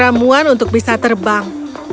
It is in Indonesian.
dan ramuan untuk bisa terbang